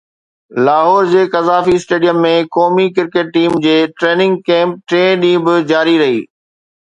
لاهور جي Gaddafi stadium ۾ قومي cricket team جي ٽريننگ ڪيمپ ٽئين ڏينهن به جاري رهي